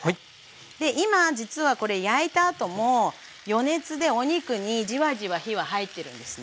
今実はこれ焼いたあとも余熱でお肉にジワジワ火は入ってるんですね。